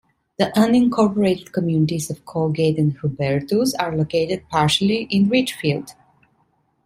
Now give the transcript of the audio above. The unincorporated communities of Colgate and Hubertus are located partially in Richfield.